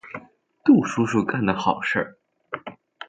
杜叔叔干的好事。